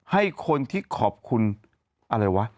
ให้คนที่ขอบคุณอะไรวะ